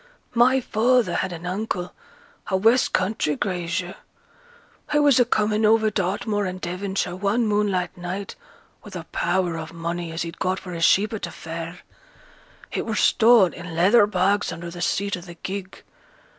My father had an uncle, a west country grazier. He was a coming over Dartmoor in Devonshire one moonlight night with a power o' money as he'd got for his sheep at t' fair. It were stowed i' leather bags under th' seat o' th' gig.